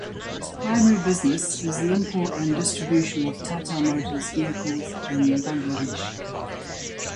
Its primary business is the import and distribution of Tata Motors vehicles in Bangladesh.